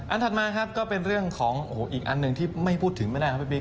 ถัดมาครับก็เป็นเรื่องของโอ้โหอีกอันหนึ่งที่ไม่พูดถึงไม่ได้ครับพี่บิ